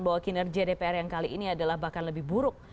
bahwa kinerja dpr yang kali ini adalah bahkan lebih buruk